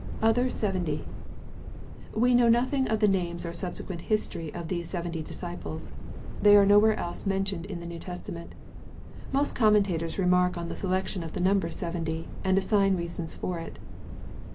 [Other seventy.] We know nothing of the names or subsequent history of these seventy disciples. They are nowhere else men tioned in the New Testament Most commentators remark on the selection of the number seventy, and assign reasons for it.